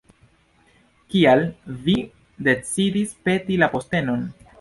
Kial vi decidis peti la postenon?